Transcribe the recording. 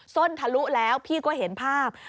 ้นทะลุแล้วพี่ก็เห็นภาพ